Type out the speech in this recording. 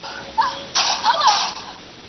زه به اوږده موده کار کړی وم؟